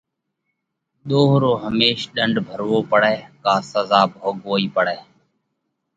ۮوه رو هميش ڏنڍ ڀروو پڙئه ڪا سزا ڀوڳوَئِي پڙئه۔